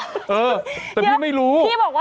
เออแต่พี่ไม่รู้